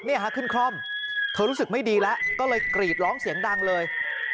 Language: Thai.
ขึ้นคล่อมเธอรู้สึกไม่ดีแล้วก็เลยกรีดร้องเสียงดังเลย